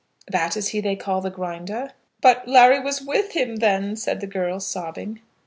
"That is he they call the Grinder?" "But Larry was with him then," said the girl, sobbing.